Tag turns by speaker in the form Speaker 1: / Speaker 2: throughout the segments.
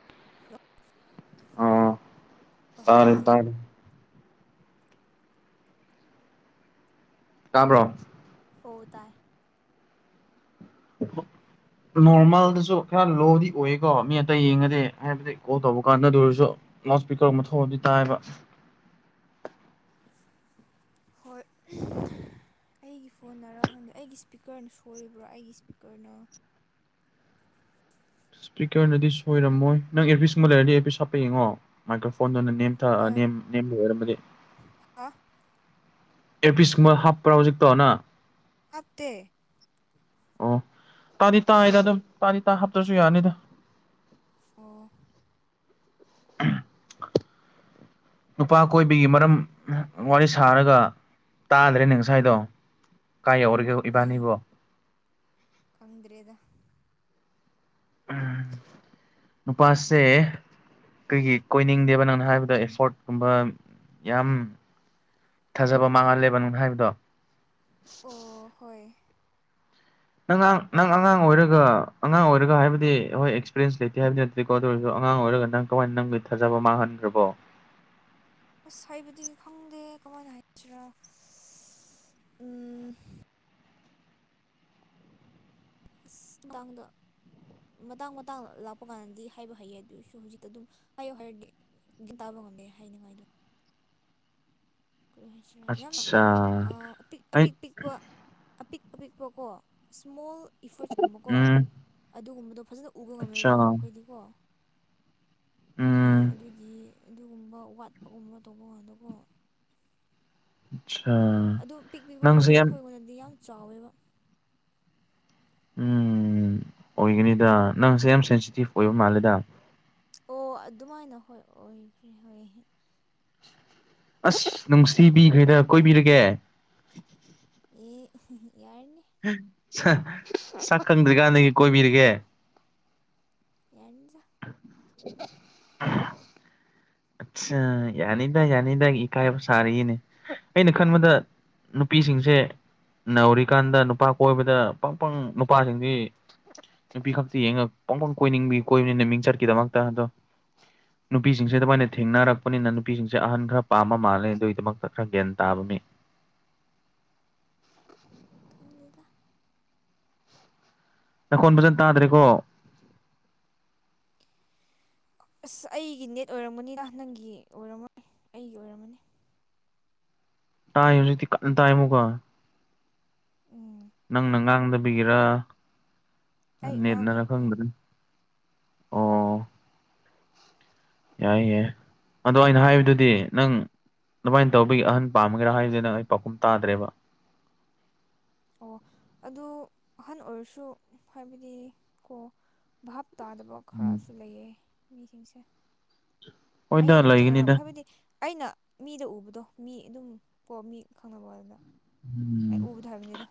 Speaker 1: [unintelligible]
Speaker 2: ꯑꯣ ꯇꯥꯔꯦ
Speaker 1: ꯍꯧꯖꯤꯛꯇꯤ
Speaker 2: ꯇꯥꯔꯦ ꯇꯥꯕ꯭ꯔꯣ
Speaker 1: ꯑꯣ ꯇꯥꯢ
Speaker 2: [unintelligible] ꯅꯣꯔꯃꯦꯜꯗꯁꯨ ꯈꯔ ꯂꯣꯗꯤ ꯑꯣꯢꯌꯦꯀꯣ ꯃꯤ ꯑꯇꯩ ꯌꯦꯡꯉꯗꯤ ꯍꯥꯢꯕꯗꯤ ꯀꯣꯜ ꯇꯧꯕ ꯀꯥꯟꯗ ꯑꯗꯨ ꯑꯣꯢꯔꯖꯨ ꯂꯥꯎꯠ ꯏꯁꯄꯤꯀꯔꯒꯨꯝꯕ ꯊꯣꯛꯑꯗꯤ ꯇꯥꯢꯌꯦꯕ
Speaker 1: ꯍꯣꯢ ꯑꯩꯒꯤ ꯐꯣꯟꯅꯔ ꯈꯪꯗꯦ ꯑꯩꯒꯤ ꯏꯁꯄꯤꯀꯔꯅ ꯁꯣꯏꯕ꯭ꯔ ꯑꯩꯒꯤ ꯏꯁꯄꯤꯀꯔꯅ
Speaker 2: ꯏꯁꯄꯤꯀꯔꯅꯗꯤ ꯁꯣꯏꯔꯝꯃꯣꯢ ꯅꯪ ꯑꯦꯌꯔꯄꯤꯁ ꯀꯨꯝꯕ ꯂꯩꯔꯗꯤ ꯑꯦꯌꯔꯄꯤꯁ ꯍꯥꯞꯄ ꯌꯦꯡꯉꯣ ꯃꯥꯏꯀ꯭ꯔꯣꯐꯣꯟꯗꯨꯅ ꯅꯦꯝꯊ ꯑ ꯅꯦꯝ ꯅꯦꯝꯕꯩ ꯑꯣꯏꯔꯝꯃꯗꯤ
Speaker 1: ꯍꯥ
Speaker 2: ꯑꯦꯌꯔꯄꯤꯁꯀꯨꯝꯕ ꯍꯥꯞꯄ꯭ꯔꯥ ꯍꯧꯖꯤꯛꯇꯣ ꯅ
Speaker 1: ꯍꯥꯞꯇꯦ
Speaker 2: ꯑꯣ ꯇꯥꯗꯤ ꯇꯥꯏꯗ ꯑꯗꯨꯝ ꯇꯥꯗꯤ ꯇꯥ ꯍꯥꯞꯇ꯭ꯔꯖꯨ ꯌꯥꯅꯤꯗꯥ
Speaker 1: ꯑꯣ
Speaker 2: ꯅꯨꯄꯥ ꯀꯣꯏꯕꯤꯒꯤ ꯃꯔꯝ ꯋꯥꯔꯤ ꯁꯥꯔꯒ ꯇꯥꯗ꯭ꯔꯦꯅꯦ ꯉꯁꯥꯏꯗꯣ ꯀꯥꯏ ꯌꯧꯔꯒꯦ ꯏꯕꯥꯅꯤꯕꯣ
Speaker 1: ꯈꯪꯗ꯭ꯔꯦꯗ
Speaker 2: ꯑꯝ ꯅꯨꯄꯥꯁꯦ ꯀ꯭ꯔꯤꯒꯤ ꯀꯣꯏꯅꯤꯡꯗꯦꯕ ꯅꯪꯅ ꯍꯥꯏꯕꯗꯣ ꯑꯦꯐꯣꯔꯠꯀꯨꯝꯕ ꯌꯥꯝ ꯊꯥꯖꯕ ꯃꯥꯡꯍꯜꯂꯦꯕ ꯅꯪꯅ ꯍꯥꯏꯕꯗꯣ
Speaker 1: ꯑꯣ ꯍꯣꯏ
Speaker 2: ꯅꯪ ꯉꯥꯡ ꯅꯪ ꯑꯉꯥꯡ ꯑꯣꯏꯔꯒ ꯑꯉꯥꯡ ꯑꯣꯏꯔꯒ ꯍꯥꯏꯕꯗꯤ ꯍꯣꯏ ꯑꯦꯛꯁꯄꯤꯔꯦꯟꯁ ꯂꯩꯇꯦ ꯍꯥꯏꯕꯗꯤ ꯅꯠ ꯇꯦꯀꯣ ꯑꯗꯨ ꯑꯣꯏꯔꯖꯨ ꯑꯉꯥꯡ ꯑꯣꯏꯔꯒ ꯅꯪ ꯀꯃꯥꯏꯅ ꯅꯪꯒꯤ ꯊꯥꯖꯕ ꯃꯥꯡꯍꯟꯈ꯭ꯔꯕꯣ
Speaker 1: ꯑꯁ ꯍꯥꯏꯕꯗꯤ ꯈꯪꯗꯦ ꯀꯃꯥꯏꯅ ꯍꯥꯏꯁꯤꯔꯥ ꯁ ꯎꯝ ꯎꯝ ꯑꯁ ꯀꯥꯡꯗ ꯃꯇꯥꯡ ꯃꯇꯥꯡ ꯂꯥꯛꯄ ꯀꯥꯟꯗꯗꯤ ꯍꯥꯏꯕ ꯍꯩꯌꯦ ꯑꯗꯨꯏ ꯑꯣꯏꯁꯨ ꯍꯧꯖꯤꯛꯇ ꯑꯗꯨꯝ ꯍꯥꯢꯌꯨ ꯍꯥꯏꯔꯗꯤ ꯒꯤꯠ ꯇꯥꯕ ꯉꯝꯗꯦ ꯍꯥꯏꯅꯤꯉꯥꯏꯗꯣ ꯀ꯭ꯔꯤ ꯍꯥꯏꯁꯤꯔꯥ ꯌꯥꯝꯅ
Speaker 2: ꯑꯆꯥ
Speaker 1: ꯑ ꯑꯄꯤꯛ
Speaker 2: ꯑꯩ
Speaker 1: ꯑꯄꯤꯛ ꯄꯤꯛ ꯄ꯭ꯔꯣ ꯑꯄꯤꯛ ꯑꯄꯤꯛꯄꯀꯣ ꯏꯁꯃꯣꯜ ꯏꯐꯣꯔꯠꯁꯀꯨꯝꯕꯀꯣ
Speaker 2: ꯎꯝ
Speaker 1: ꯑꯗꯨꯒꯨꯝꯕꯗꯣ ꯐꯖꯅ ꯎꯕ
Speaker 2: ꯑꯆꯥ
Speaker 1: ꯉꯝꯃꯦꯕ ꯑꯈꯣꯏꯗꯤꯀꯣ ꯑꯥ
Speaker 2: ꯎꯝ
Speaker 1: ꯑꯗꯨꯒꯤ ꯑꯗꯨꯒꯨꯝꯕ ꯋꯥꯠꯄꯒꯨꯝꯕ ꯇꯧꯕ ꯀꯥꯟꯗꯀꯣ
Speaker 2: ꯑꯠꯆꯥ
Speaker 1: ꯑꯗꯨꯝ ꯄꯤꯛ ꯄꯤꯛꯄ ꯈꯣꯏꯗꯣ ꯑꯈꯣꯏ ꯉꯣꯟꯗꯗꯤ ꯌꯥꯝ ꯆꯥꯎꯋꯦꯕ
Speaker 2: ꯎꯝ ꯑꯣꯏꯒꯅꯤꯗꯥ ꯅꯪꯁꯦ ꯌꯥꯝ ꯁꯦꯟꯁꯤꯇꯤꯞ ꯑꯣꯏꯕ ꯃꯥꯜꯂꯦꯗꯥ
Speaker 1: ꯑꯣ ꯑꯗꯨꯃꯥꯏꯅ ꯍꯣꯏ ꯑꯣꯏꯈ꯭ꯔꯦ ꯍꯣꯏ
Speaker 2: ꯑꯁ ꯅꯨꯡꯁꯤꯕꯤꯈ꯭ꯔꯦꯗ ꯀꯣꯏꯕꯤꯔꯒꯦ
Speaker 1: ꯑꯦ ꯍꯦ ꯍꯦ ꯌꯥꯢꯅꯦ
Speaker 2: ꯍꯦ ꯁꯛ ꯁꯛ ꯈꯪꯗ꯭ꯔꯤꯀꯥꯟꯗꯒꯤ ꯀꯣꯏꯕꯤꯔꯒꯦ
Speaker 1: ꯌꯥꯔꯅꯤꯗꯥ
Speaker 2: [inaudible] ꯑꯠꯁꯥ ꯌꯥꯅꯤꯗꯥ ꯌꯥꯅꯤꯗꯥ ꯏꯀꯥꯏꯕ ꯁꯥꯔꯤꯅꯦ ꯑꯩꯅ ꯈꯟꯕꯗ ꯅꯨꯄꯤꯁꯤꯡꯁꯦ ꯅꯧꯔꯤꯀꯥꯟꯗ ꯅꯨꯄꯥ ꯀꯣꯏꯕꯗ ꯄꯪ ꯄꯪ ꯅꯨꯄꯥꯁꯤꯡꯁꯤ ꯅꯨꯄꯤ ꯈꯛꯇ ꯌꯦꯡꯉ ꯄꯪꯄꯪ ꯀꯣꯏꯅꯤꯡꯕꯤ ꯀꯣꯏꯕꯅꯤꯡ ꯃꯤꯡꯆꯠꯀꯤꯗꯃꯛꯇ ꯑꯗꯣ ꯅꯨꯄꯤꯁꯤꯡꯁꯦ ꯑꯗꯨꯃꯥꯏꯅ ꯊꯦꯡꯅꯔꯛꯄꯅꯤꯅ ꯅꯨꯄꯤꯁꯤꯡꯁꯦ ꯑꯍꯟ ꯈꯔ ꯄꯥꯝꯕ ꯃꯥꯜꯂꯦ ꯑꯗꯨꯏꯗꯃꯛꯇ ꯈꯔ ꯒ꯭ꯌꯥꯟ ꯇꯥꯕ ꯃꯤ
Speaker 1: ꯈꯪꯗꯦꯗꯥ
Speaker 2: ꯅꯈꯣꯟ ꯐꯖ ꯇꯥꯗ꯭ꯔꯦꯀꯣ
Speaker 1: ꯑꯁ ꯑꯩꯒꯤ ꯅꯦꯠ ꯑꯣꯏꯔꯝꯃꯅꯤꯗꯥ ꯅꯪꯒꯤ ꯑꯣꯏꯔꯝꯃꯣꯏ ꯑꯩꯒꯤ ꯑꯣꯏꯔꯝꯃꯅꯤ
Speaker 2: ꯇꯥꯏ ꯍꯧꯖꯤꯛꯇꯤ ꯀꯟꯅ ꯇꯥꯏ ꯃꯨꯛꯀꯥ
Speaker 1: ꯎꯝ
Speaker 2: ꯅꯪꯅ ꯉꯥꯡꯗꯕꯒꯤꯔ
Speaker 1: ꯑꯩ
Speaker 2: ꯅꯦꯠꯅꯔ
Speaker 1: ꯉꯥꯡꯉꯦ ꯉꯥꯡꯉꯦ
Speaker 2: ꯈꯪꯗ꯭ꯔꯦ ꯑꯣ ꯌꯥꯏꯌꯦ ꯑꯗꯣ ꯑꯩꯅ
Speaker 1: ꯎꯝ
Speaker 2: ꯍꯥꯏꯕꯗꯨꯗꯤ ꯅꯪ ꯑꯗꯨꯃꯥꯏꯅ ꯇꯧꯕꯒꯤ ꯑꯍꯟ ꯄꯥꯝꯃꯒꯦꯔꯥ ꯍꯥꯏꯕꯅꯤꯅ ꯑꯩ ꯄꯥꯎꯈꯨꯝ ꯇꯥꯗ꯭ꯔꯦꯕ
Speaker 1: ꯑꯣ ꯑꯗꯨ ꯑꯍꯟ ꯑꯣꯏꯔꯁꯨ ꯍꯥꯏꯕꯗꯤ ꯀꯣ ꯚꯥꯍꯥꯞ ꯇꯥꯗꯕ
Speaker 2: ꯎꯝ
Speaker 1: ꯈꯔꯁꯨ ꯂꯩꯌꯦ ꯃꯤꯁꯤꯡꯁꯦ ꯑꯩ
Speaker 2: ꯍꯣꯏꯗ
Speaker 1: ꯑꯗꯨꯝ ꯊꯦꯡꯅꯔꯞ
Speaker 2: ꯂꯩꯒꯅꯤꯗ
Speaker 1: ꯍꯥꯏꯕꯗꯤ ꯑꯩꯅ ꯃꯤꯗ ꯎꯕꯗꯣ ꯃꯤ ꯑꯗꯨꯝ ꯀꯣ ꯃꯤ ꯈꯪꯅꯕꯋꯟꯅꯦꯗ ꯑꯩ
Speaker 2: ꯎꯝ
Speaker 1: ꯎꯕꯗꯣ ꯍꯥꯏꯕꯅꯦꯗꯥ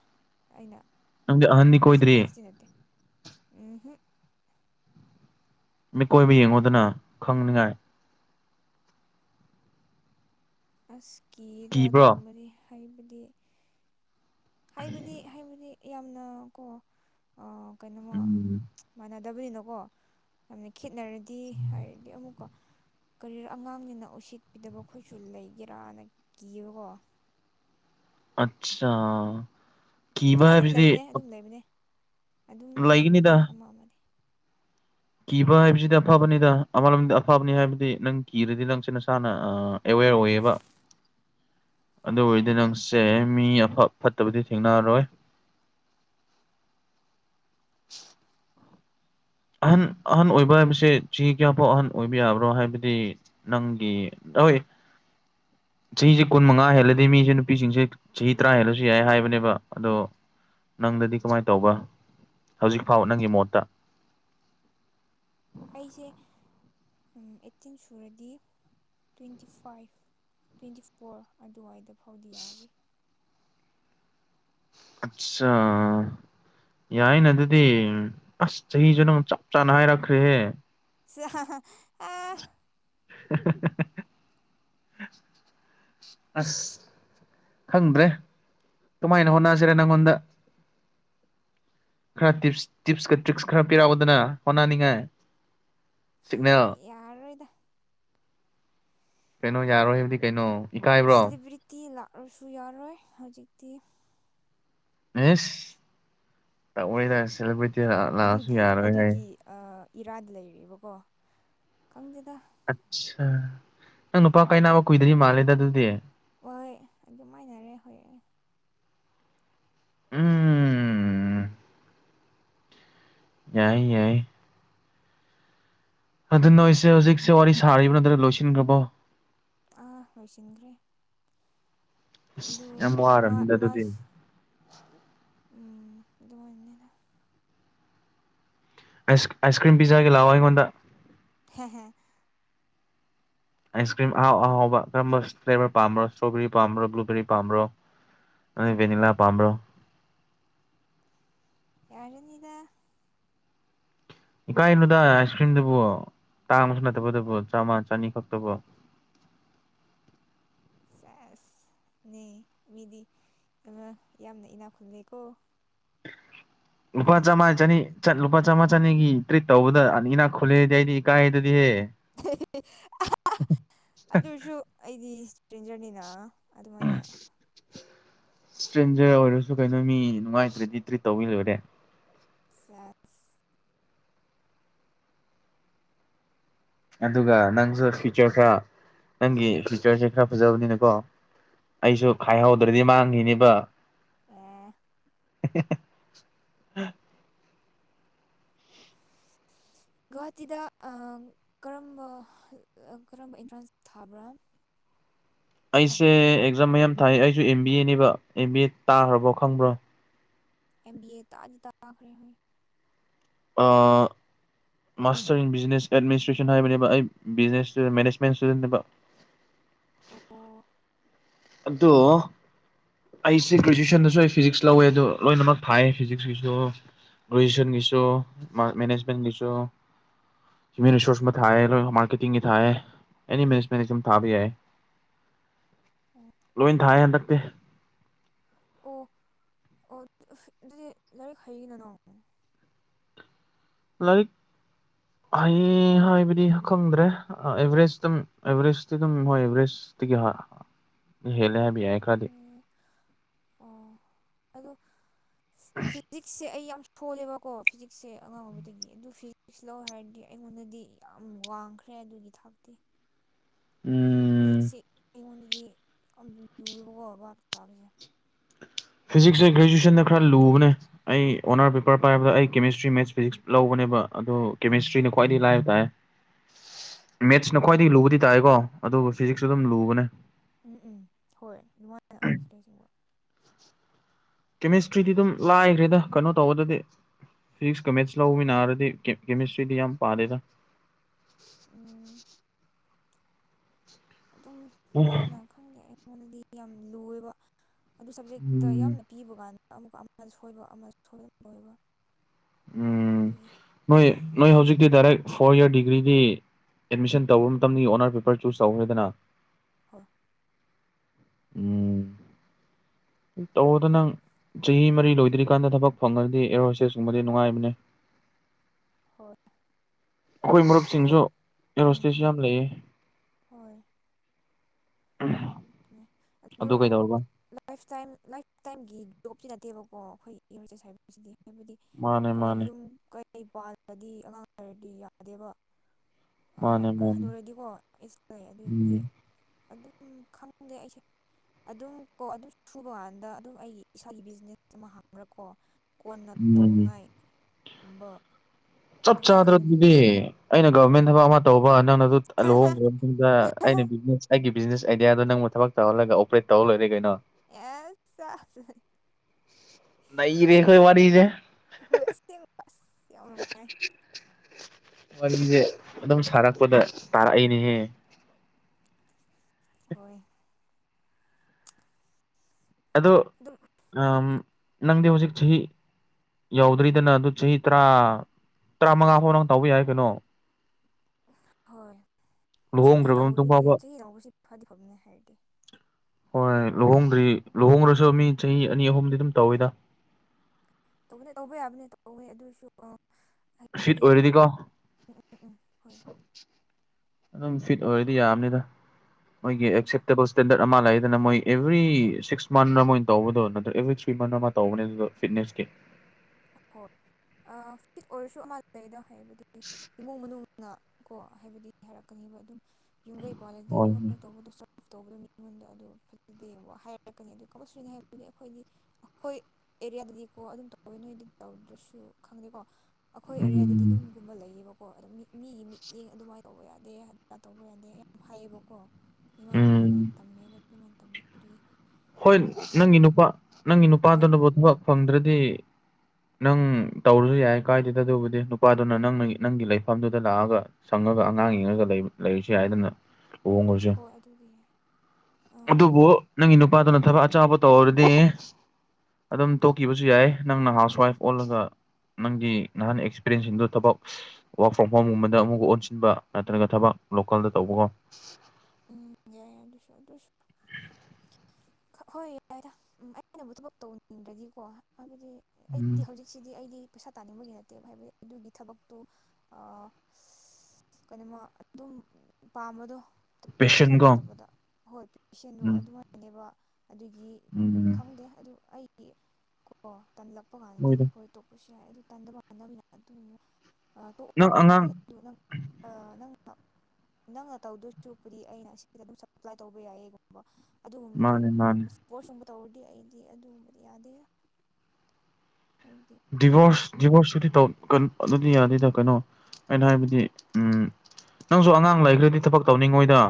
Speaker 1: ꯑꯩꯅ
Speaker 2: ꯅꯪꯗꯤ
Speaker 1: ꯍꯦ
Speaker 2: ꯑꯍꯟꯗꯤ ꯀꯣꯏꯗ꯭ꯔꯤ
Speaker 1: ꯑꯦꯛꯁꯄ꯭ꯔꯦꯟꯁꯇꯤ ꯅꯠꯇꯦ ꯎꯍꯨꯝ
Speaker 2: ꯃꯤꯀꯣꯏꯕ ꯌꯦꯡꯉꯣꯗꯅꯥ ꯈꯪꯅꯤꯉꯥꯏ
Speaker 1: ꯑꯁ ꯀꯤꯌꯦꯗꯥ
Speaker 2: ꯀꯤꯕ꯭ꯔꯣ
Speaker 1: ꯑꯗꯨꯒꯨꯝꯕꯗꯤ ꯍꯥꯏꯕꯗꯤ ꯍꯥꯏꯕꯗꯤ ꯍꯥꯏꯕꯗꯤ ꯌꯥꯝꯅ ꯀꯣ ꯑꯥ ꯀꯩꯅꯣꯃꯥ
Speaker 2: ꯎꯝ
Speaker 1: ꯃꯥꯟꯅꯗꯕꯅꯤꯅꯀꯣ ꯌꯥꯝꯅ ꯈꯦꯠꯅꯔꯗꯤ ꯍꯥꯏꯔꯗꯤ ꯑꯃꯨꯛꯀ ꯀꯔꯤꯔ ꯑꯉꯥꯡꯅꯤꯅ ꯎꯁꯤꯠꯄꯤꯗꯕ ꯈꯣꯏꯁꯨ ꯂꯩꯒꯦꯔꯥꯅ ꯀꯤꯕꯀꯣ
Speaker 2: ꯑꯠꯆꯥ ꯀꯤꯕ
Speaker 1: ꯑꯥ ꯑꯗꯨꯝ
Speaker 2: ꯍꯥꯏꯕꯁꯤꯗꯤ
Speaker 1: ꯂꯩꯕꯅꯦ ꯑꯗꯨꯝ ꯂꯩꯕꯅꯦ ꯑꯗꯨꯝ
Speaker 2: ꯂꯩꯒꯅꯤꯗ
Speaker 1: ꯂꯩꯕꯅꯦ ꯑꯃ ꯑꯃꯗꯤ
Speaker 2: ꯀꯤꯕ ꯍꯥꯏꯕꯁꯤꯗ ꯑꯐꯕꯅꯦꯗꯥ ꯑꯃꯔꯣꯝꯗ ꯑꯐꯕꯅꯦ ꯍꯥꯏꯕꯗꯤ ꯅꯪ ꯀꯤꯔꯗꯤ ꯅꯪꯁꯦ ꯅꯁꯥꯅ ꯑꯥ ꯑꯦꯋꯦꯔ ꯑꯣꯏꯌꯦꯕ ꯑꯗꯨ ꯑꯣꯏꯔꯗꯤ ꯅꯪꯁꯦ ꯃꯤ ꯑꯐꯞ ꯐꯠꯇꯕꯗꯤ ꯊꯦꯡꯅꯔꯣꯏ ꯑꯍꯟ ꯑꯍꯟ ꯑꯣꯏꯕ ꯍꯥꯏꯕꯁꯦ ꯆꯍꯤ ꯀ꯭ꯌꯥꯐꯥꯎ ꯑꯍꯟ ꯑꯣꯏꯕ ꯌꯥꯕ꯭ꯔꯣ ꯍꯥꯏꯕꯗꯤ ꯅꯪꯒꯤ ꯑꯍꯣꯏ ꯆꯍꯤꯁꯦ ꯀꯨꯟ ꯃꯉꯥ ꯍꯦꯜꯂꯗꯤ ꯃꯤꯁꯦ ꯅꯨꯄꯤꯁꯤꯡꯁꯦ ꯆꯍꯤ ꯇꯔꯥ ꯍꯦꯜꯂꯁꯨ ꯌꯥꯏ ꯍꯥꯏꯕꯅꯦꯕꯥ ꯑꯗꯣ ꯅꯪꯗꯗꯤ ꯀꯃꯥꯏ ꯇꯧꯕꯥ ꯍꯧꯖꯤꯛ ꯐꯥꯎ ꯅꯪꯒꯤ ꯃꯣꯠꯇꯥ
Speaker 1: ꯑꯩꯁꯦ ꯎꯝ ꯑꯩꯠꯇꯤꯟ ꯁꯨꯔꯗꯤ ꯇꯣꯏꯟꯇꯤ ꯐꯥꯏꯚ ꯇꯣꯏꯟꯇꯤ ꯐꯣꯔ ꯑꯗꯨꯋꯥꯏꯗ ꯐꯥꯎꯗꯤ ꯌꯥꯔꯤ
Speaker 2: ꯑꯠꯆꯥ ꯌꯥꯏꯅ ꯑꯗꯨꯗꯤ ꯑꯁ ꯆꯍꯤꯁꯨ ꯅꯪ ꯆꯞ ꯆꯥꯅ ꯍꯥꯏꯔꯛꯈ꯭ꯔꯦꯍꯦ
Speaker 1: [unintelligible]
Speaker 2: [unintelligible] ꯑꯁ ꯈꯪꯗ꯭ꯔꯦ ꯀꯃꯥꯏꯅ ꯍꯣꯠꯅꯁꯦꯔ ꯅꯪꯉꯣꯟꯗ ꯈꯔ ꯇꯤꯞꯁ ꯇꯤꯞꯁꯀ ꯇ꯭ꯔꯤꯛꯁ ꯈꯔ ꯄꯤꯔꯛꯑꯣꯗꯅꯥ ꯍꯣꯠꯅꯅꯤꯉꯥꯏ
Speaker 1: ꯁꯦ ꯌꯥꯔꯔꯣꯏꯗꯥ
Speaker 2: ꯀꯩꯅꯣ ꯌꯥꯔꯔꯣꯏ ꯍꯥꯏꯕꯗꯤ ꯀꯩꯅꯣ? ꯏꯀꯥꯏꯕ꯭ꯔꯣ
Speaker 1: ꯁ꯭ꯂꯤꯕ꯭ꯔꯤꯇꯤ ꯂꯥꯛꯔꯁꯨ ꯌꯥꯔꯣꯏ ꯍꯧꯖꯤꯛꯇꯤ
Speaker 2: ꯑꯦꯁ ꯇꯧꯌꯦꯗꯥ ꯁꯦꯂꯦꯕ꯭ꯔꯤꯇꯤ ꯂꯥꯛ ꯂꯥꯛꯑꯁꯨ ꯌꯥꯔꯣꯏ ꯍꯥꯏꯌꯦ
Speaker 1: ꯑꯥ ꯏꯔꯠꯗ ꯂꯩꯔꯤꯌꯦꯕꯀꯣ ꯈꯪꯗꯦꯗꯥ
Speaker 2: ꯑꯠꯆꯁꯥ ꯅꯪ ꯅꯨꯄꯥ ꯀꯥꯏꯅꯕ ꯀꯨꯏꯗ꯭ꯔꯤ ꯃꯥꯜꯂꯦꯗ ꯑꯗꯨꯗꯤ?
Speaker 1: ꯋꯣꯍꯣꯏ ꯑꯗꯨꯃꯥꯏꯅꯔꯦ ꯍꯣꯏꯑꯦ
Speaker 2: ꯎꯝ ꯌꯥꯏ ꯌꯥꯏ ꯑꯗꯨ ꯅꯣꯏꯁꯨ ꯍꯧꯖꯤꯛꯁꯨ ꯋꯥꯔꯤ ꯁꯥꯔꯤꯕ ꯅꯠꯇ꯭ꯔꯒ ꯂꯣꯏꯁꯤꯟꯒ꯭ꯔꯕꯣ?
Speaker 1: ꯑꯥ ꯂꯣꯏꯁꯤꯟꯈ꯭ꯔꯦ
Speaker 2: ꯑꯁ
Speaker 1: ꯑꯗꯨ
Speaker 2: ꯌꯥꯝ
Speaker 1: ꯃꯥ
Speaker 2: ꯋꯥꯔꯕꯅꯤꯗ ꯑꯗꯨꯗꯤ
Speaker 1: ꯃꯥꯁ ꯎꯝ ꯑꯗꯨꯃꯥꯏꯅꯅꯦꯗ
Speaker 2: ꯑꯥꯏꯁ ꯑꯥꯏꯁ ꯀ꯭ꯔꯤꯝ ꯄꯤꯖꯒꯦ ꯂꯥꯑꯣ ꯑꯩꯉꯣꯟꯗ
Speaker 1: ꯍꯦ ꯍꯦ
Speaker 2: ꯑꯥꯏꯁ ꯀ꯭ꯔꯤꯝ ꯑꯍꯥꯎ ꯑꯍꯥꯎꯕ ꯀꯔꯝꯕ ꯐ꯭ꯂꯦꯚꯔ ꯄꯥꯝꯕ꯭ꯔꯣ ꯁꯇ꯭ꯔꯣꯕꯦꯔꯤ ꯄꯥꯝꯕ꯭ꯔꯣ ꯕ꯭ꯂꯨꯕꯦꯔꯤ ꯄꯥꯝꯕ꯭ꯔꯣ? ꯅꯪꯗꯤ ꯚꯦꯅꯤꯂꯥ ꯄꯥꯝꯕ꯭ꯔꯣ?
Speaker 1: ꯌꯥꯔꯅꯤꯗꯥ
Speaker 2: ꯏꯀꯥꯏꯅꯨꯗ ꯑꯥꯏꯁ ꯀ꯭ꯔꯤꯝꯗꯕꯣ ꯇꯥꯡꯕꯁꯨ ꯅꯠꯇꯕꯗꯨꯕꯨ ꯆꯥꯝꯃ ꯆꯅꯤ ꯈꯛꯇꯕꯨ
Speaker 1: ꯁꯦꯁ ꯅꯤ ꯃꯤꯗꯤ [unintelligible] ꯌꯥꯝꯅ ꯏꯅꯛ ꯈꯨꯜꯂꯦꯀꯣ
Speaker 2: ꯂꯨꯄꯥ ꯆꯥꯝꯃꯥ ꯆꯅꯤ ꯆꯠ ꯂꯨꯄꯥ ꯆꯥꯝꯃ ꯆꯅꯤꯒꯤ ꯇ꯭ꯔꯤꯠ ꯇꯧꯕꯗ ꯏꯅꯥꯛ ꯈꯨꯜꯂꯦꯗꯤ ꯑꯩꯗꯤ ꯏꯀꯥꯏꯗꯨꯗꯤꯍꯦ
Speaker 1: ꯍꯦ ꯍꯦ ꯑ ꯑꯗꯨꯏꯖꯨ ꯑꯩꯗꯤ ꯁꯇ꯭ꯔꯦꯟꯖꯔꯅꯤꯅꯥ ꯑꯗꯨꯃꯥꯏꯅ
Speaker 2: ꯁꯇ꯭ꯔꯦꯟꯖꯔ ꯑꯣꯏꯔꯖꯨ ꯀꯩꯅꯣ ꯃꯤ ꯅꯨꯡꯉꯥꯏꯇ꯭ꯔꯗꯤ ꯇ꯭ꯔꯤꯠ ꯇꯧꯕꯤ ꯂꯣꯏꯔꯦ
Speaker 1: ꯁꯦꯁ
Speaker 2: ꯑꯗꯨꯒ ꯅꯪꯖꯨ ꯐ꯭ꯌꯨꯆꯔ ꯈꯔꯥ ꯅꯪꯒꯤ ꯐ꯭ꯌꯨꯆꯔꯁꯦ ꯈꯔ ꯐꯖꯕꯅꯤꯅꯀꯣ ꯑꯩꯁꯨ ꯈꯥꯏꯍꯧꯗ꯭ꯔꯗꯤ ꯃꯥꯡꯈꯤꯅꯤꯕ
Speaker 1: ꯑꯦ
Speaker 2: [unintelligible]
Speaker 1: ꯒꯧꯍꯥꯇꯤꯗ ꯑꯥ ꯀꯔꯝꯕ ꯀꯔꯝꯕ ꯑꯦꯟꯇ꯭ꯔꯥꯟꯁ ꯊꯥꯕ꯭ꯔꯥ
Speaker 2: ꯑꯩꯁꯦ ꯑꯦꯛꯖꯥꯝ ꯃꯌꯥꯝ ꯊꯥꯏ ꯑꯩꯁꯨ ꯑꯦꯝ ꯕꯤ ꯑꯦꯅꯦꯕ ꯑꯦꯝ ꯕꯤ ꯑꯦ ꯇꯥꯈ꯭ꯔꯕꯣ ꯈꯪꯕ꯭ꯔꯣ
Speaker 1: ꯑꯦꯝ ꯕꯤ ꯑꯦ ꯇꯥꯗꯤ ꯇꯥꯈ꯭ꯔꯦ ꯍꯣꯏ
Speaker 2: ꯑꯥ ꯃꯥꯁꯇꯔ ꯏꯟ ꯕꯤꯖꯤꯅꯦꯁ ꯑꯦꯗꯃꯤꯅꯤꯁꯇ꯭ꯔꯦꯁꯟ ꯍꯥꯏꯕꯅꯦꯕ ꯑꯩ ꯕꯤꯖꯤꯅꯦꯁ ꯃꯦꯅꯦꯖꯃꯦꯟ ꯁ꯭ꯇꯨꯗꯦꯟꯅꯦꯕ
Speaker 1: ꯑꯣ
Speaker 2: ꯑꯗꯣ ꯑꯩꯁꯦ ꯒ꯭ꯔꯦꯖꯨꯋꯦꯁꯟꯗꯁꯨ ꯑꯩ ꯐꯤꯖꯤꯛꯁ ꯂꯧꯋꯦ ꯑꯗꯣ ꯂꯣꯏꯅꯃꯛ ꯊꯥꯏꯑꯦ ꯐꯤꯖꯤꯛꯁꯀꯤꯁꯨ ꯒ꯭ꯔꯦꯖꯨꯋꯦꯁꯟꯒꯤꯁꯨ ꯃꯥ ꯃꯦꯅꯦꯖꯃꯦꯟꯒꯤꯁꯨ ꯍ꯭ꯌꯨꯃꯦꯟ
Speaker 1: ꯎꯝ
Speaker 2: ꯔꯤꯁꯣꯔꯁ ꯑꯃ ꯊꯥꯏꯌꯦ ꯃꯥꯔꯀꯦꯇꯤꯡꯒꯤ ꯊꯥꯏꯌꯦ ꯑꯦꯅꯤ ꯃꯤꯅꯦꯁꯃꯦꯟ ꯁꯨꯝ ꯊꯥꯕ ꯌꯥꯏ
Speaker 1: ꯑꯣ
Speaker 2: ꯂꯣꯏ ꯊꯥꯏꯑꯦ ꯍꯟꯗꯛꯇꯤ
Speaker 1: ꯑꯣ ꯑꯣ ꯑꯗꯨꯗꯤ ꯂꯥꯏꯔꯤꯛ ꯍꯩꯅ ꯅꯣ
Speaker 2: ꯂꯥꯏꯔꯤꯛ ꯍꯩ ꯍꯥꯏꯕꯗꯤ ꯈꯪꯗ꯭ꯔꯦ ꯑꯦꯚꯔꯦꯁ ꯑꯗꯨꯝ ꯑꯦꯚꯔꯦꯁꯇꯤ ꯑꯗꯨꯝ ꯍꯣꯏ ꯑꯦꯚꯔꯦꯁ ꯁꯇꯒꯤ ꯍꯥ ꯍꯦꯂꯦ ꯍꯥꯏꯕ ꯌꯥꯏ ꯈ꯭ꯔꯥꯗꯤ
Speaker 1: ꯎꯝ ꯑꯣ ꯑꯗꯣ ꯐꯤꯖꯤꯛꯁꯁꯦ ꯑꯩ ꯌꯥꯝ ꯁꯣꯜꯂꯦꯕꯀꯣ ꯐꯤꯖꯤꯛꯁꯁꯦ ꯑꯉꯥꯡ ꯑꯣꯏꯕꯗꯒꯤ ꯑꯗꯨ ꯐꯤꯖꯤꯛꯁ ꯂꯧ ꯍꯥꯏꯔꯗꯤ ꯑꯩꯉꯣꯟꯗꯗꯤ ꯌꯥꯝ ꯋꯥꯡꯈ꯭ꯔꯦ ꯑꯗꯨꯒꯤ ꯊꯥꯛꯇꯣ
Speaker 2: ꯎꯝ
Speaker 1: ꯐꯤꯖꯤꯛꯁꯤ ꯑꯩꯉꯣꯟꯗꯗꯤ ꯌꯥꯝ ꯂꯨꯑꯦꯕꯀꯣ ꯕꯥꯕ ꯇꯥꯕꯁꯦ
Speaker 2: ꯐꯤꯖꯤꯛꯁꯦ ꯒ꯭ꯔꯦꯖꯨꯋꯦꯁꯟꯗ ꯈꯔ ꯂꯨꯕꯅꯦ ꯑꯩ ꯑꯣꯅꯔ ꯄꯦꯄꯔ ꯄꯥꯏꯕꯗ ꯑꯩ ꯀꯦꯃꯤꯁꯇ꯭ꯔꯤ ꯃꯦꯠꯁ ꯐꯤꯖꯤꯛꯁ ꯂꯧꯕꯅꯦꯕ ꯑꯗꯣ ꯀꯦꯃꯤꯁꯇ꯭ꯔꯤꯅ ꯈ꯭ꯋꯥꯏꯗꯒꯤ ꯂꯥꯏꯕ ꯇꯥꯏ ꯃꯦꯠꯁꯅ ꯈ꯭ꯋꯥꯏꯗꯒꯤ ꯇꯔꯥꯏ ꯂꯨꯕꯗꯤ ꯇꯥꯏꯀꯣ ꯑꯗꯨꯕꯨ ꯐꯤꯖꯤꯛꯁꯁꯨ ꯑꯗꯨꯝ ꯂꯨꯕꯅꯦ
Speaker 1: ꯎꯝ ꯎꯝ ꯍꯣꯏ ꯗꯨꯡꯃꯥꯏꯅ ꯑꯣꯏꯕꯅꯦ ꯑꯁꯦꯡꯕ
Speaker 2: ꯀꯦꯃꯤꯁꯇ꯭ꯔꯤꯗꯤ ꯑꯗꯨꯝ ꯂꯥꯏꯈ꯭ꯔꯦꯗ ꯀꯩꯅꯣ ꯇꯧꯕꯗꯗꯤ ꯐꯤꯖꯤꯛꯁꯀꯥ ꯃꯦꯠꯁ ꯂꯧꯕꯅꯤꯅ ꯀꯦꯃꯤꯁꯇ꯭ꯔꯤꯗꯤ ꯌꯥꯝ ꯄꯥꯗꯦꯗ
Speaker 1: ꯎꯝ ꯑꯗꯨꯝ
Speaker 2: ꯎꯝ
Speaker 1: ꯌꯥꯝꯅ ꯈꯪꯗꯦ ꯑꯩꯉꯣꯟꯗꯗꯤ ꯌꯥꯝ ꯂꯨꯋꯦꯕ ꯑꯗꯨ ꯁꯕꯖꯦꯛꯇ ꯌꯥꯝꯅ ꯄꯤꯕ ꯀꯥꯟꯗ ꯑꯃꯨꯛ ꯑꯃ ꯁꯣꯏꯕ ꯑꯃ ꯁꯣꯏꯕ ꯂꯣꯏꯕ
Speaker 2: ꯎꯝ ꯅꯣꯏ ꯅꯣꯏ ꯍꯧꯖꯤꯛꯇꯤ ꯗꯥꯏꯔꯦꯛ ꯐꯣꯔ ꯏꯌꯥꯔ ꯗꯤꯒ꯭ꯔꯤꯗꯤ ꯑꯦꯠꯃꯤꯁꯟ ꯇꯧꯕ ꯃꯇꯝ ꯑꯣꯅꯔ ꯄꯦꯄꯔ ꯆꯨꯁ ꯇꯧꯈ꯭ꯔꯦꯗꯅ
Speaker 1: ꯍꯣꯏ
Speaker 2: ꯎꯝ ꯇꯧꯕꯗꯣ ꯅꯪ ꯆꯍꯤ ꯃꯔꯤ ꯂꯣꯏꯗ꯭ꯔꯤꯀꯥꯟꯗ ꯊꯕꯛ ꯐꯪꯉꯗꯤ ꯑꯦꯌꯔ ꯍꯣꯁꯇꯦꯁ ꯀꯨꯝꯕꯗꯤ ꯅꯨꯡꯉꯥꯏꯕꯅꯦ
Speaker 1: ꯍꯣꯏ
Speaker 2: ꯑꯩꯈꯣꯏ
Speaker 1: ꯑꯗꯣ
Speaker 2: ꯃꯔꯨꯞꯁꯤꯡꯁꯨ ꯑꯦꯌꯔ
Speaker 1: ꯎꯝ
Speaker 2: ꯍꯣꯁꯇꯦꯁ ꯌꯥꯝ ꯂꯩꯌꯦ
Speaker 1: ꯍꯣꯏ
Speaker 2: [unintelligible]
Speaker 1: [inaudible] ꯑꯗꯣ
Speaker 2: ꯑꯗꯨ ꯀꯩꯗꯧꯔꯕ
Speaker 1: [inaudible] ꯂꯥꯏꯐꯇꯥꯏꯝ ꯂꯥꯏꯐꯇꯥꯏꯝꯒꯤ ꯖꯣꯞꯇꯤ ꯅꯠꯇꯦꯕꯀꯣ [inaudible] ꯁꯤꯗꯤ ꯍꯥꯏꯕꯗꯤ
Speaker 2: ꯃꯥꯅꯦ
Speaker 1: ꯑꯥ
Speaker 2: ꯃꯥꯅꯦ
Speaker 1: ꯌꯨꯝ ꯀꯩ ꯄꯥꯜꯂꯗꯤ ꯑꯉꯥꯡ ꯂꯩꯔꯗꯤ ꯌꯥꯗꯦꯕ
Speaker 2: ꯃꯥꯅꯦ
Speaker 1: ꯑꯥ
Speaker 2: ꯃꯥꯅꯦ
Speaker 1: ꯍꯅꯨꯔꯗꯤꯀꯣ ꯑꯦꯁ ꯂꯩ ꯑꯗꯨꯒꯤ
Speaker 2: ꯎꯝ
Speaker 1: ꯑꯗꯨꯝ ꯈꯪꯗꯦ ꯑꯩꯁꯦ ꯑꯗꯨꯝ ꯀꯣ ꯑꯗꯨꯝ ꯁꯨꯕ ꯀꯥꯟꯗ ꯑꯗꯨꯝ ꯑꯩꯒꯤ ꯏꯁꯥꯒꯤ ꯕꯤꯖꯤꯅꯦꯁ ꯑꯃ ꯍꯥꯡꯕ꯭ꯔꯥꯀꯣ ꯀꯣꯟꯅ
Speaker 2: ꯎꯝ
Speaker 1: ꯇꯧꯅꯤꯉꯥꯏꯒꯨꯝꯕ
Speaker 2: ꯆꯞ ꯆꯥꯗ꯭ꯔꯥ ꯑꯗꯨꯗꯤ ꯑꯩꯅ ꯒꯣꯕꯔꯃꯦꯟ ꯊꯕꯛ ꯑꯃ ꯇꯧꯕ ꯅꯪꯅ ꯑꯗꯨ [unintelligible] ꯇꯨꯡꯗ ꯑꯩꯅ ꯕꯤꯖꯤꯅꯦꯁ ꯑꯩꯒꯤ ꯕꯤꯖꯤꯅꯦꯁ ꯑꯥꯏꯗꯤꯌꯥꯗꯣ ꯅꯪꯕꯨ ꯊꯕꯛ ꯇꯧꯍꯜꯂꯒ ꯑꯣꯄꯔꯠ ꯇꯧꯍꯜꯂ ꯂꯣꯏꯔꯦ ꯀꯩꯅꯣ
Speaker 1: ꯌꯦꯁ
Speaker 2: ꯅꯩꯔꯦ ꯑꯈꯣꯏ ꯋꯥꯔꯤꯖꯦ
Speaker 1: ꯍꯣꯏ ꯑꯁꯦꯡꯕ ꯑꯁ ꯌꯥꯝ ꯅꯨꯡꯉꯥꯏ
Speaker 2: [inaudible] ꯋꯥꯔꯤꯖꯦ ꯑꯗꯨꯝ ꯁꯥꯔꯛꯄꯗ ꯇꯥꯔꯛꯏꯅꯦꯍꯦ
Speaker 1: ꯍꯣꯏ
Speaker 2: ꯑꯗꯣ
Speaker 1: ꯑꯗꯨꯝ
Speaker 2: ꯑꯝ ꯅꯪꯗꯤ ꯍꯧꯖꯤꯛ ꯆꯍꯤ ꯌꯧꯗ꯭ꯔꯤꯗꯅꯥ ꯑꯗꯨ ꯆꯍꯤ ꯇꯔꯥ ꯇꯔꯥꯃꯉꯥ ꯐꯥꯎ ꯅꯪ ꯇꯧꯕ ꯌꯥꯏ ꯀꯩꯅꯣ
Speaker 1: ꯍꯣꯏ ꯆꯍꯤ
Speaker 2: ꯂꯨꯍꯣꯡꯗ꯭ꯔꯕ ꯃꯇꯨꯡ
Speaker 1: ꯅꯧꯔꯤꯌꯦ
Speaker 2: ꯐꯥꯎꯕ
Speaker 1: ꯆꯍꯤ ꯍꯧꯕꯁꯦ ꯐꯗꯤ ꯐꯕꯅꯦ ꯍꯥꯏꯔꯗꯤ
Speaker 2: ꯍꯣꯏ ꯂꯨꯍꯣꯡꯗ꯭ꯔꯤ ꯂꯨꯍꯣꯡꯉꯨꯔꯖꯨ ꯃꯤ ꯆꯍꯤ ꯑꯅꯤ ꯑꯍꯨꯝꯗꯤ ꯑꯗꯨꯝ ꯇꯧꯋꯤꯗ
Speaker 1: ꯇꯧꯕꯅꯦ ꯇꯧꯕ ꯌꯥꯕꯅꯦ ꯇꯧꯋꯦ ꯑꯗꯨꯏꯁꯨ ꯑ
Speaker 2: ꯐꯤꯠ ꯑꯣꯏꯔꯗꯤꯀꯣ
Speaker 1: ꯎꯝ ꯍꯣꯏ
Speaker 2: ꯑꯗꯨꯝ ꯐꯤꯠ ꯑꯣꯏꯔꯗꯤ ꯌꯥꯝꯕꯅꯤꯗ ꯃꯣꯏꯒꯤ
Speaker 1: ꯑꯣꯏꯔꯗꯤ
Speaker 2: ꯑꯦꯛꯁꯦꯞꯇꯦꯕꯜꯁ ꯏꯁꯇꯦꯟꯗꯔꯠ ꯑꯃ ꯂꯩꯗꯅꯥ ꯃꯣꯏ ꯑꯦꯚ꯭ꯔꯤ ꯁꯤꯛꯁ ꯃꯟꯔ ꯃꯣꯏꯟ ꯇꯧꯕꯗꯣ ꯅꯠꯇ꯭ꯔ ꯑꯦꯚ꯭ꯔꯤ ꯊ꯭ꯔꯤ ꯃꯟꯔ ꯃꯥ ꯇꯧꯕꯅꯦ ꯑꯗꯨꯗꯣ ꯐꯤꯠꯅꯦꯁꯀꯤ
Speaker 1: [unintelligible] ꯐꯤꯠ ꯑꯣꯏꯔꯁꯨ ꯑꯃ ꯂꯩꯗ ꯍꯥꯏꯕꯗꯤ ꯏꯃꯨꯡ ꯃꯅꯨꯡ ꯅ ꯀꯣ ꯍꯥꯏꯕꯗꯤ ꯍꯥꯏꯔꯛꯀꯅꯦꯕ ꯑꯗꯨꯝ ꯌꯨꯝꯒꯩ ꯄꯥꯥꯜꯂꯗꯤ
Speaker 2: ꯍꯣꯏ
Speaker 1: ꯑꯗꯨꯃꯥꯏꯅ ꯇꯧꯕꯗꯣ ꯆꯠ [unintelligible] ꯇꯧꯕꯗꯣ ꯃꯤꯉꯣꯟꯗ ꯑꯗꯨ ꯐꯖ ꯗꯦ ꯒꯨꯝꯕ ꯍꯥꯏꯔꯛꯀꯅꯤ ꯑꯗꯨ ꯀꯝꯃꯜꯁꯔꯤꯅꯤ ꯍꯥꯏꯕꯗꯤ ꯑꯩꯈꯣꯏꯗꯤ ꯑꯩꯈꯣꯏ ꯑꯦꯔꯤꯌꯥꯗꯗꯤꯀꯣ ꯑꯗꯨꯝ [unintelligible] ꯅꯣꯏꯗꯤ ꯇꯧꯗ꯭ꯔꯁꯨ ꯈꯪꯗꯦꯀꯣ ꯑꯈꯣꯏ ꯑꯦꯔꯤꯌꯥꯗꯗꯤ
Speaker 2: ꯎꯝ
Speaker 1: ꯑꯗꯨꯝ ꯒꯨꯝꯕ ꯂꯩꯌꯦꯕꯀꯣ ꯑꯗꯨ ꯃꯤ ꯃꯤꯒꯤ ꯃꯤꯠꯌꯦꯡ ꯑꯗꯨꯃꯥꯏꯅ ꯇꯧꯕ ꯌꯥꯗꯦ ꯇꯧꯕ ꯌꯥꯗꯦ ꯌꯥꯝ ꯍꯥꯏꯌꯦꯕꯀꯣ ꯏꯃꯥ ꯏꯄꯥ
Speaker 2: ꯎꯝ
Speaker 1: ꯈꯣꯏꯅ ꯇꯝꯃꯦꯕ ꯑꯗꯨꯃꯥꯏꯅ ꯇꯝꯃꯦ ꯑꯗꯨꯒꯤ
Speaker 2: ꯍꯣꯏ ꯅꯪꯒꯤ ꯅꯨꯄꯥ ꯅꯪꯒꯤ
Speaker 1: ꯍꯣꯏ
Speaker 2: ꯅꯨꯄꯥꯗꯨꯅꯕꯨ ꯊꯕꯛ ꯐꯪꯗ꯭ꯔꯗꯤ ꯅꯪ ꯇꯧꯔꯖꯨ ꯌꯥꯏ ꯀꯥꯏꯗꯦꯗ ꯑꯗꯨꯕꯨꯗꯤ ꯅꯨꯄꯥꯗꯨꯅ ꯅꯪꯅ ꯅꯪꯒꯤ ꯂꯩꯐꯝꯗꯨꯗ ꯂꯥꯛꯑꯒ ꯁꯪꯉꯒ ꯑꯉꯥꯡ ꯌꯦꯡꯉꯒ ꯂꯩꯕ ꯂꯩꯔꯁꯨ ꯌꯥꯏꯗꯅꯥ ꯂꯨꯍꯣꯡꯉꯖꯦ
Speaker 1: ꯍꯣꯏ ꯑꯗꯨꯗꯤ ꯌꯥꯏ ꯑꯥ
Speaker 2: ꯑꯗꯨꯕꯨ
Speaker 1: ꯍꯣꯏ
Speaker 2: ꯅꯪꯒꯤ ꯅꯨ ꯄꯥꯗꯨꯅ ꯊꯕꯛ ꯑꯆꯥꯎꯕ ꯇꯧꯔꯗꯤ ꯑꯗꯨꯝ ꯇꯣꯛꯀꯤꯕꯖꯨ ꯌꯥꯏ ꯅꯪꯅ ꯍꯥꯎꯁ ꯋꯥꯏꯐ ꯑꯣꯜꯂꯒ ꯅꯪꯒꯤ ꯅꯍꯥꯟ ꯑꯦꯛꯁꯄꯤꯔꯦꯟꯁꯁꯤꯡꯗꯨ ꯊꯕꯛ ꯋꯔꯛ ꯐ꯭ꯔꯣꯝ ꯍꯣꯝꯒꯨꯝꯕꯗ ꯑꯃꯨꯛꯀ ꯑꯣꯟꯁꯤꯟꯕ ꯅꯠꯇ꯭ꯔꯒ ꯊꯕꯛ ꯂꯣꯀꯦꯜꯗ ꯇꯧꯕꯒꯣ
Speaker 1: ꯎꯝ ꯌꯥꯏ ꯑꯗꯨꯁꯨ ꯑꯗꯨꯁꯨ ꯈ ꯍꯣꯏ ꯌꯥꯏꯗ ꯎꯝ ꯑꯩꯅꯕꯨ ꯊꯕꯛ ꯇꯧꯅꯤꯡꯗ꯭ꯔꯗꯤꯀꯣ ꯍꯥꯏꯕꯗꯤ ꯑꯩꯗꯤ
Speaker 2: ꯎꯝ
Speaker 1: ꯍꯧꯖꯤꯛ ꯁꯤꯗꯤ ꯑꯩꯗꯤ ꯄꯩꯁꯥ ꯇꯥꯅꯤꯡꯕꯒꯤ ꯅꯠꯇꯦꯕ ꯍꯥꯏꯕꯗꯤ ꯑꯗꯨꯒꯤ ꯊꯕꯛꯇꯣ ꯑꯥ [unintelligible] ꯀꯩꯅꯣꯝꯃ ꯑꯗꯨꯝ ꯄꯥꯝꯕꯗꯣ [unintelligible]
Speaker 2: ꯄꯦꯁꯟꯒꯣ
Speaker 1: ꯅꯠꯇꯕꯗ ꯍꯣꯏ [unintelligible]
Speaker 2: ꯎꯝ
Speaker 1: ꯑꯗꯨꯃꯥꯏꯅꯅꯦꯕ ꯑꯗꯨꯒꯤ
Speaker 2: ꯎꯝ
Speaker 1: ꯈꯪꯗꯦ ꯑꯗꯨ ꯑꯩꯒꯤ ꯀꯣ ꯇꯝꯂꯛꯄ ꯀꯥꯟꯗꯗꯤ
Speaker 2: ꯃꯣꯏꯗꯣ
Speaker 1: ꯍꯣꯏ ꯇꯣꯛꯄꯁꯨ ꯌꯥꯏ ꯑꯗꯨ ꯇꯟꯗꯕ [inaudible] ꯑꯗꯨꯝꯕ ꯑꯥ
Speaker 2: ꯅꯪ
Speaker 1: ꯇꯣꯛꯑꯣꯒꯨꯝꯕ
Speaker 2: ꯑꯉꯥꯡ
Speaker 1: [inaudible] ꯅꯪ ꯑꯥ ꯅꯪꯅ ꯅꯪꯅ ꯇꯧꯗꯣꯏ ꯁꯔꯨꯛꯄꯨꯗꯤ ꯑꯩꯅ ꯑꯁꯤꯗ ꯑꯗꯨꯝ ꯁꯄ꯭ꯂꯥꯏ ꯇꯧꯕ ꯌꯥꯏꯌꯦ ꯑꯗꯨꯒꯨꯝꯕꯗꯤ
Speaker 2: ꯃꯥꯅꯦ ꯃꯥꯅꯦ
Speaker 1: ꯑꯗꯨꯒꯨꯝꯕ [unintelligible] ꯒꯨꯝꯕ ꯇꯧꯔꯗꯤ ꯑꯩꯗꯤ ꯑꯗꯨꯒꯨꯝꯕꯗꯤ ꯌꯥꯗꯦꯍꯦ ꯀꯣ
Speaker 2: ꯗꯤꯚꯣꯔꯁ ꯗꯤꯚꯣꯔꯁꯇꯨꯗꯤ ꯇꯧ ꯒꯟ ꯑꯗꯨꯗꯤ ꯌꯥꯗꯦꯗ ꯀꯅꯣ ꯑꯩꯅ ꯍꯥꯏꯕꯗꯤ ꯎꯝ ꯅꯪꯖꯨ ꯑꯉꯥꯡ ꯂꯩꯒ꯭ꯔꯗꯤ ꯊꯕꯛ ꯇꯧꯅꯤꯡꯉꯣꯏꯗ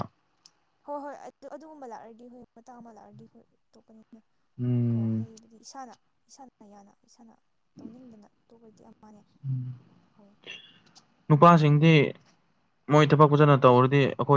Speaker 1: ꯍꯣ ꯍꯣꯏ ꯑꯗꯨ ꯑꯗꯨꯒꯨꯝꯕ ꯂꯥꯛꯔꯗꯤ ꯍꯣꯏ ꯃꯇꯥꯡ ꯑꯃ ꯂꯥꯛꯑꯔꯗꯤ ꯍꯣꯏ ꯇꯣꯛꯀꯅꯤꯗ ꯀꯣ
Speaker 2: ꯎꯝ
Speaker 1: ꯍꯩꯕꯗꯤ ꯏꯁꯥꯅ ꯏꯁꯥꯅ ꯌꯥꯅ ꯏꯁꯥꯅ ꯇꯧꯅꯤꯡꯗꯅ ꯇꯣꯛꯔꯗꯤ ꯑꯃꯅꯦ
Speaker 2: ꯎꯝ
Speaker 1: ꯍꯣꯏ
Speaker 2: ꯅꯨꯄꯥꯁꯤꯡꯗꯤ ꯃꯣꯏ ꯊꯕꯛ ꯐꯖꯅ ꯇꯧꯔꯗꯤ ꯑꯈꯣꯏ